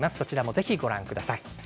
ぜひご覧ください。